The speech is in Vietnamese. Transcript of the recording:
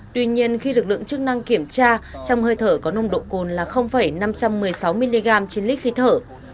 tuy nhiên khi lực lượng chức năng kiểm tra trong hơi thở có nồng độ cồn là năm trăm một mươi sáu mg trên lít khí thở